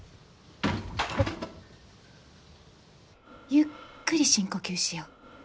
・ゆっくり深呼吸しよ。